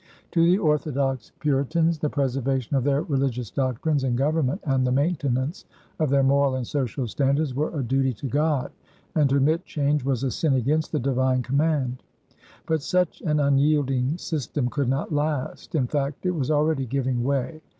To the orthodox Puritans, the preservation of their religious doctrines and government and the maintenance of their moral and social standards were a duty to God, and to admit change was a sin against the divine command. But such an unyielding system could not last; in fact, it was already giving way.